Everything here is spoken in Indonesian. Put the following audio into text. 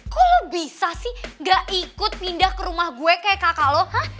kok bisa sih gak ikut pindah ke rumah gue kayak kakak loh